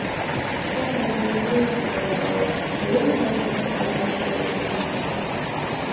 Pandēmijas jurģi galu galā, viegli nebija, bet mēs to izdarījām.